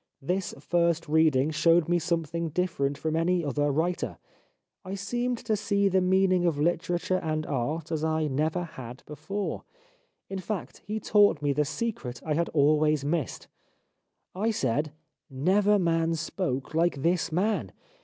This first reading showed me something different from any other writer ; I seemed to see the meaning of literature and art as I never had before ; in fact he taught me the secret I had always missed. I said :' Never man spoke like this man.'